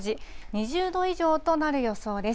２０度以上となる予想です。